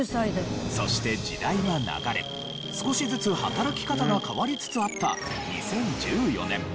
そして時代は流れ少しずつ働き方が変わりつつあった２０１４年。